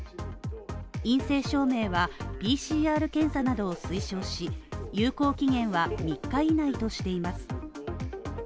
陰性証明はＰＣＲ検査などを推奨し、有効期限は３日以内としています。